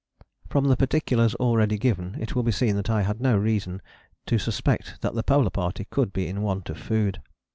From the particulars already given it will be seen that I had no reason to suspect that the Polar Party could be in want of food.